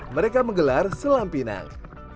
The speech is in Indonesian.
mereka menggelar selam pinang